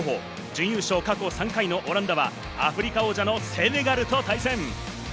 準優勝過去３回のオランダはアフリカ王者のセネガルと対戦。